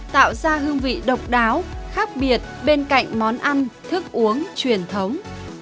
tạo ra hương vị độc đáo khác biệt bên cạnh món ăn thức uống truyền thống